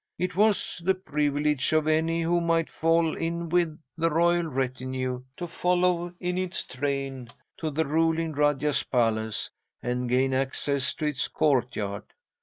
It was the privilege of any who might fall in with the royal retinue to follow in its train to the ruling rajah's palace, and gain access to its courtyard.